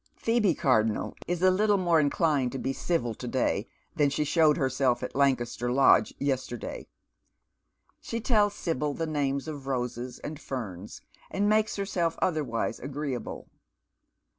Phoebe Cardonnel is a little more inclined to be civil to day than she showed herself at Lancaster Lodge yesterday. She tells {>ibyl the names of roses and ferns, and makes herself otherwise agreeable.